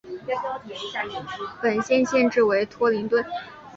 本县县治为托灵顿。